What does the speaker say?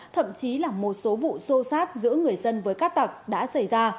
thậm chí là một số vụ xô xát giữa người dân với cát tặc đã xảy ra